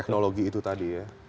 teknologi itu tadi ya